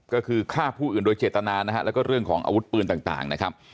ก็คือฆ่าผู้อื่นโดยเจตนานะฮะแล้วก็เรื่องของอาวุธปืนต่างนะครับ